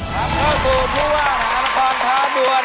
กลับเข้าสู่ภูวามหานครเทดีย์